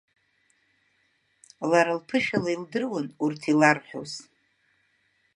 Лара лԥышәала илдыруан урҭ иларҳәоз…